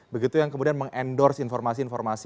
begitu yang kemudian mengendorse informasi informasi